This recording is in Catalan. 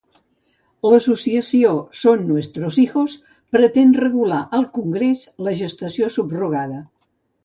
L'associació Son Nuestros Hijos pretén regular al Congrés la gestació subrogada.